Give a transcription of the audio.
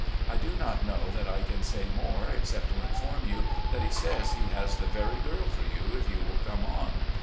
I do not know that I can say more, except to inform you that he says he has the very girl for you if you will come on.